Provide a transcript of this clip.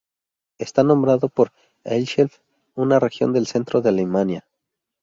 Está nombrado por Eichsfeld, una región del centro de Alemania.